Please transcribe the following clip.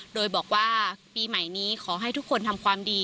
โดยบอกว่าปีใหม่นี้ขอให้ทุกคนทำความดี